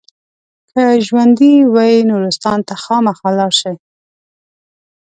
که ژوندي وئ نورستان ته خامخا لاړ شئ.